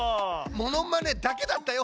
モノマネだけだったよ